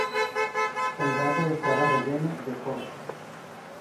El bate estaba relleno de corcho.